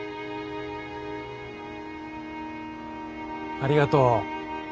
ありがとう。